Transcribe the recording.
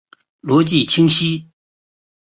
逻辑清晰！